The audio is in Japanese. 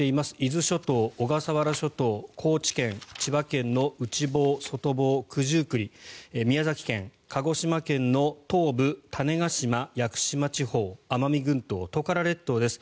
伊豆諸島、小笠原諸島高知県、千葉県の内房、外房九十九里、宮崎県鹿児島県の種子島・屋久島地方奄美群島トカラ列島です。